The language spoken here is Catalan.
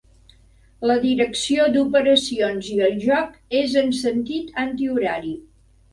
La direcció d'operacions i el joc és en sentit antihorari.